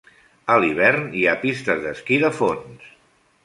A l'hivern hi ha pistes d'esquí de fons.